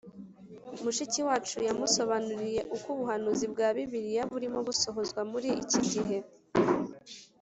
mushiki wacu yamusobanuriye uko ubuhanuzi bwa Bibiliya burimo busohozwa muri iki gihe